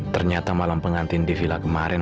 ternyata malam pengantin di villa kemaren